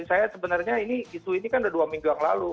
saya sebenarnya ini isu ini kan udah dua minggu yang lalu